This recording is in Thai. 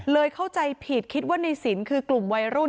เข้าใจผิดคิดว่าในสินคือกลุ่มวัยรุ่น